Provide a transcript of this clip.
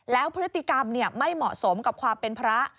แล้วพฤติกรรมไม่เหมาะสมกับความเป็นพระ